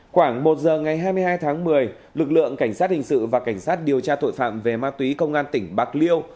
khoảng một giờ ngày hai mươi hai tháng một mươi lực lượng cảnh sát hình sự và cảnh sát điều tra tội phạm về ma túy công an tỉnh bạc liêu